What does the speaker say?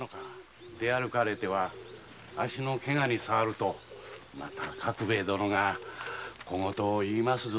出歩かれては足のケガにさわると角兵衛殿が小言を言いますぞ。